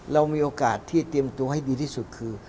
เรามีโอกาสที่เตรียมตัวให้ดีที่สุดคือ